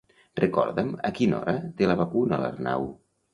Recorda'm a quina hora té la vacuna l'Arnau.